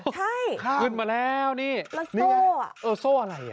ใช่ข้างขึ้นมาแล้วนี่แล้วโซ่โซ่อะไร